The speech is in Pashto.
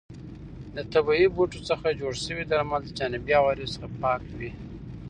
د طبیعي بوټو څخه جوړ شوي درمل د جانبي عوارضو څخه پاک وي.